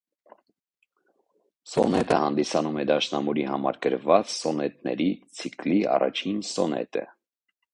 Սոնետը հանդիսանում է դաշնամուրի համար գրված սոնետների ցիկլի առաջին սոնետը։